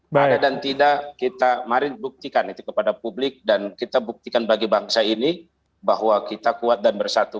ada dan tidak mari kita buktikan kepada publik dan kita buktikan bagi bangsa ini bahwa kita kuat dan bersatu